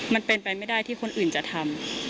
มันเป็นไปไม่ได้ที่คนอื่นจะทำ